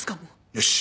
よし。